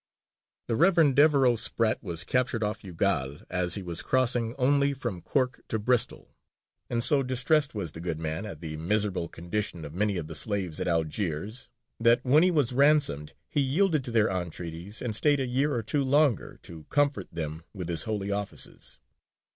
The Reverend Devereux Spratt was captured off Youghal as he was crossing only from Cork to Bristol, and so distressed was the good man at the miserable condition of many of the slaves at Algiers, that when he was ransomed he yielded to their entreaties and stayed a year or two longer to comfort them with his holy offices.